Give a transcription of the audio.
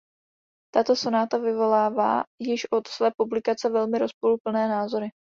Tato sonáta vyvolává již od své publikace velmi rozporuplné názory.